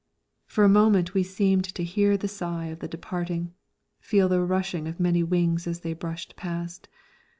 For a moment we seemed to hear the sigh of the departing, feel the rushing of many wings as they brushed past.